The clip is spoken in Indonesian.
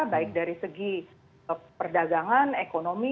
baik dari segi perdagangan ekonomi